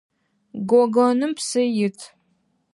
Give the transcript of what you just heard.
Гогоным псы ит.